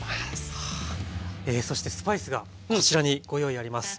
そしてスパイスがこちらにご用意あります。